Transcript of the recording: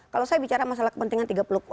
kalau saya bicara masalah kepentingan